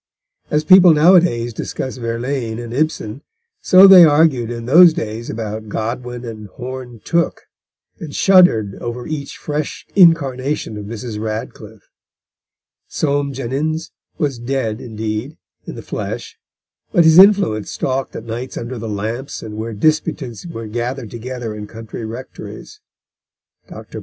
As people nowadays discuss Verlaine and Ibsen, so they argued in those days about Godwin and Horne Tooke, and shuddered over each fresh incarnation of Mrs. Radcliffe. Soame Jenyns was dead, indeed, in the flesh, but his influence stalked at nights under the lamps and where disputants were gathered together in country rectories. Dr.